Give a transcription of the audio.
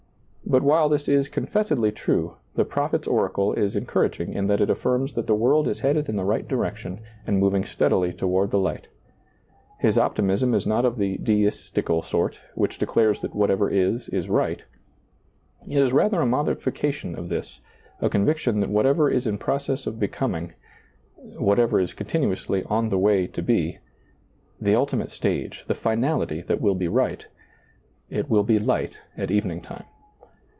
But while this is confessedly true, the prophet's oracle is encouraging in that it affirms that the world is headed in the right direction and moving steadily toward the light. His optimism is not of the deistical sort, which declares that whatever is, is right ; it is rather a modification of this, a con viction that whatever is in process of becoming — whatever is continuously on the way to be — the ultimate stage, the finality that will be right — it will be light at evening time.